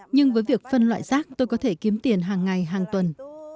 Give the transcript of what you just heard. nhưng với việc phân loại rác tôi có thể kiếm tiền hàng ngày hàng tuần